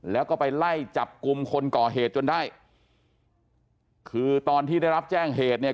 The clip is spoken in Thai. แล้วก็ไปไล่จับกลุ่มคนก่อเหตุจนได้คือตอนที่ได้รับแจ้งเหตุเนี่ย